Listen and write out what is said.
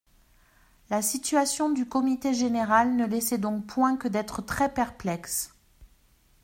La situation du comité général ne laissait donc point que d'être très-perplexe.